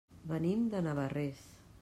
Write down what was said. Venim de Navarrés.